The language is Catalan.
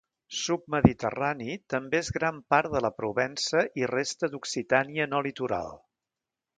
Submediterrani també és gran part de la Provença i resta d'Occitània no litoral.